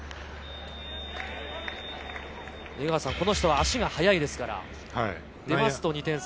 足が速いですから出ますと２点差。